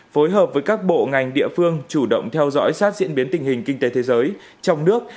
phối hợp với các bộ ngành địa phương chủ động theo dõi sát diễn biến tình hình kinh tế thế giới trong nước